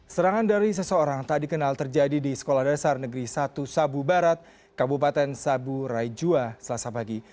serangan dari seseorang tak dikenal terjadi di sekolah dasar negeri satu sabu barat kabupaten sabu raijua selasa pagi